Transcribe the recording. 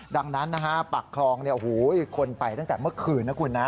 ดังนั้นนะฮะปากคลองคนไปตั้งแต่เมื่อคืนนะคุณนะ